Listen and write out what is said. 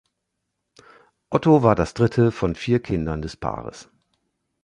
Otto war das dritte von vier Kindern des Paares.